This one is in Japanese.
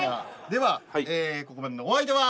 ではここまでのお相手は。